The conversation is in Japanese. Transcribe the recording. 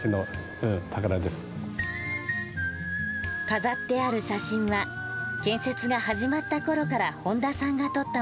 飾ってある写真は建設が始まった頃から本田さんが撮ったもの。